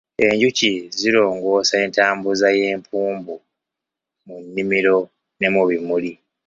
Enjuki zirongoosa entambuza y'empumbu mu nnimiro ne mu bimuli.